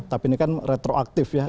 tapi ini kan retroaktif ya